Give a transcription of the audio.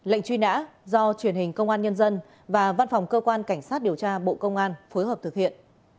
lệnh truy nã do truyền hình công an nhân dân và văn phòng cơ quan cảnh sát điều tra bộ công an phối hợp thực hiện